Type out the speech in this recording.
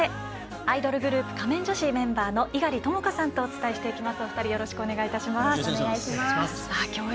そして、アイドルグループ仮面女子メンバーの猪狩ともかさんとお伝えしていきます。